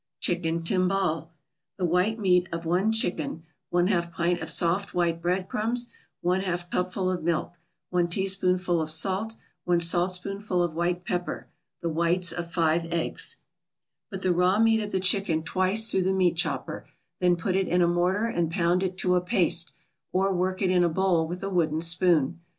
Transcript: CHICKEN TIMBALE The white meat of one chicken 1/2 pint of soft white bread crumbs 1/2 cupful of milk 1 teaspoonful of salt 1 saltspoonful of white pepper The whites of five eggs Put the raw meat of the chicken twice through the meat chopper, then put it in a mortar and pound it to a paste, or work it in a bowl with a wooden spoon.